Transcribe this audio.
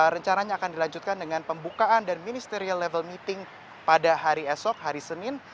rencananya akan dilanjutkan dengan pembukaan dan ministerial level meeting pada hari esok hari senin